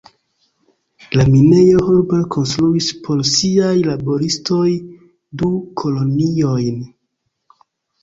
La minejo Hubert konstruis por siaj laboristoj du koloniojn.